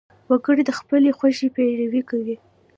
وګړي د خپلې خوښې پیروي کوي.